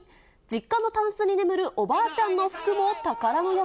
実家のたんすに眠るおばあちゃんの服も宝の山。